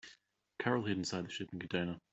Carol hid inside the shipping container.